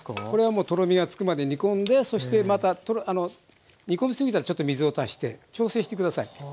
これはもうとろみがつくまで煮込んでそしてまた煮込みすぎたらちょっと水を足して調整して下さい。